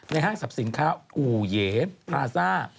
ในห้างสับสินค้าอูเหยียนภาซ่า